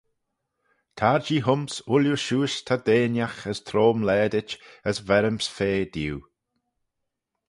Tar jee hym's ooilley shiuish ta deinagh as trome laadit as verryms fea diu.